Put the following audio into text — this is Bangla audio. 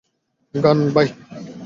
গান, ভাই?